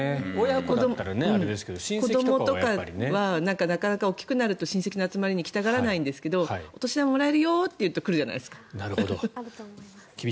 子どもとかは大きくなると親戚の集まりに来たがらないんですけどお年玉もらえるよっていうと来るじゃないですか。